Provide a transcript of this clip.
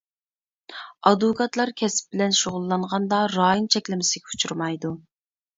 ئادۋوكاتلار كەسىپ بىلەن شۇغۇللانغاندا رايون چەكلىمىسىگە ئۇچرىمايدۇ.